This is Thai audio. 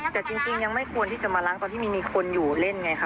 แต่จริงยังไม่ควรที่จะมาล้างตอนที่มีคนอยู่เล่นไงคะ